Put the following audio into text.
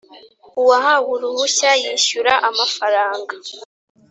uwahawe uruhushya yishyura amafaranga